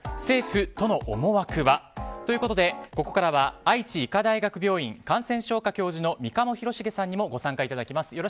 政府・都の思惑は？ということでここからは愛知医科大学病院感染症科教授の三鴨廣繁さんにもご参加いただきます。